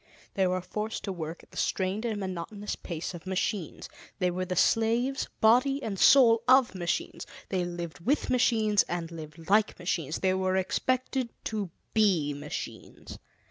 They were forced to work at the strained and monotonous pace of machines; they were the slaves, body and soul, of machines; they lived with machines and lived like machines they were expected to be machines.